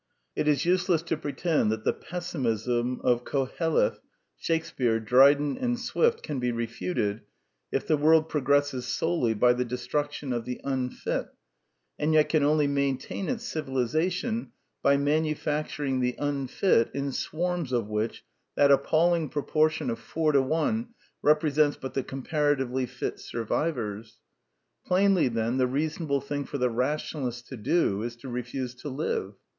It is useless to pretend that the pessimism of Koheleth, Shakespeare, Dryden, and Swift can be refuted if the world progresses solely by the destruction of the unfit, and yet can only maintain its civilization by manufacturing the unfit in swarms of which that appalling proportion of four to one represents but the comparatively fit survivors. Plainly, then, the reasonable thing for the rationalists to do is to refuse to live.